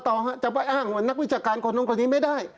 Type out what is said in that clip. เราจะไปอ้างว่านักวิจการคนตรงตรงนี้ไม่ได้